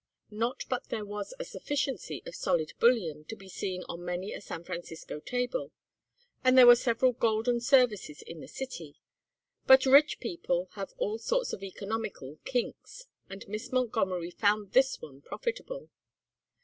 Not but that there was a sufficiency of solid bullion to be seen on many a San Francisco table, and there were several golden services in the city; but rich people have all sorts of economical kinks, and Miss Montgomery found this one profitable.